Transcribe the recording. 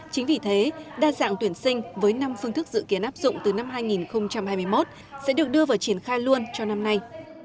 chính vì thế đa dạng tuyển sinh với năm phương thức dự kiến áp dụng từ năm hai nghìn hai mươi một sẽ được đưa vào triển khai luôn cho năm nay